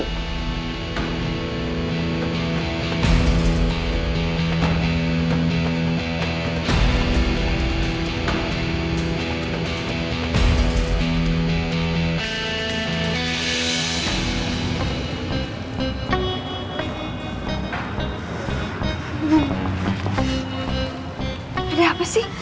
ini apa sih